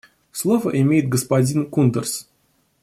Слово имеет господин Кундерс.